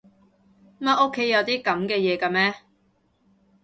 乜屋企有啲噉嘅嘢㗎咩？